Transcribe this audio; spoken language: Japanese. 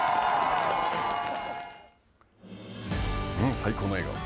最高の笑顔。